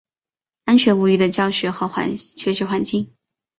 安全无虞的教学和学习环境